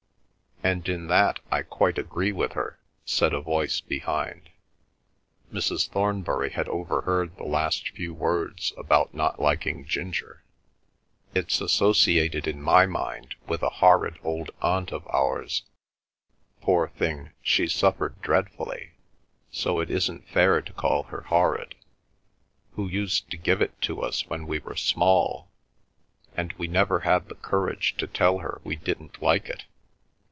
"And in that I quite agree with her," said a voice behind; Mrs. Thornbury had overheard the last few words about not liking ginger. "It's associated in my mind with a horrid old aunt of ours (poor thing, she suffered dreadfully, so it isn't fair to call her horrid) who used to give it to us when we were small, and we never had the courage to tell her we didn't like it.